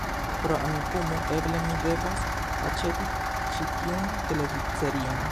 Pro Amikumu, eble mi devas aĉeti ĉi tiun televidserion